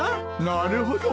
なるほど。